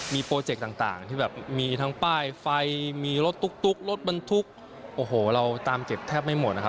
มีโปรเจกต์ต่างที่แบบมีทั้งป้ายไฟมีรถตุ๊กรถบรรทุกโอ้โหเราตามเจ็บแทบไม่หมดนะครับ